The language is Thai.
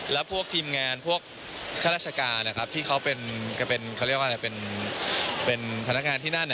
แล้วพวกทีมงานพวกท่านราชการนะครับที่เขาเป็นคำว่าเป็นพนักงานที่นั่น